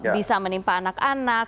bisa menimpa anak anak